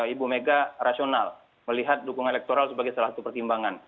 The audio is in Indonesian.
dua ribu empat belas ibu mega rasional melihat dukungan elektoral sebagai salah satu pertimbangan